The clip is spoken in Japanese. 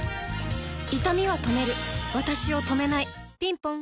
いたみは止めるわたしを止めないぴんぽん